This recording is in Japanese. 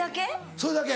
それだけ。